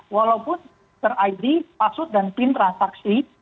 walaupun ter id password dan pin transaksi